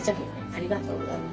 ありがとうございます。